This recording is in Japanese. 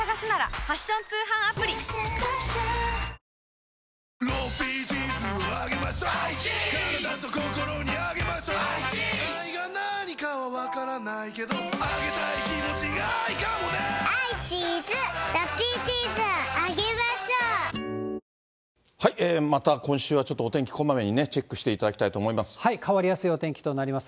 「はだおもいオーガニック」また今週はちょっとお天気こまめにチェックしていただきたい変わりやすいお天気となります。